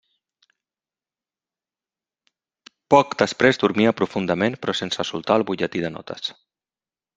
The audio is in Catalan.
Poc després dormia profundament, però sense soltar el butlletí de notes.